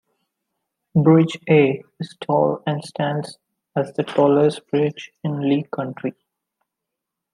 Bridge A is tall and stands as the tallest bridge in Lee County.